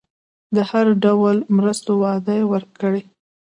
د هر ډول مرستو وعده ورکړي.